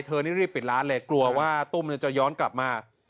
เธอนี่รีบปิดร้านเลยกลัวว่าตุ้มเนี้ยจะย้อนกลับมา